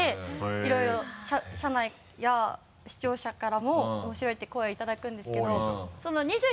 いろいろ社内や視聴者からも面白いって声いただくんですけどいいじゃない。